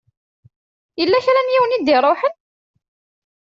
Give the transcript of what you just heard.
Yella kra n yiwen i d-iṛuḥen?